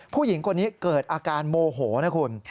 ผู้หญิงคนนี้เกิดอาการโมโหนะคุณ